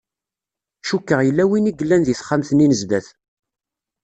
Cukkeɣ yella win i yellan di texxamt-nni n zdat.